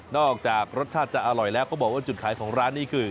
จากรสชาติจะอร่อยแล้วก็บอกว่าจุดขายของร้านนี้คือ